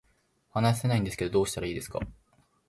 話せないんですけど、どうしたらいいですか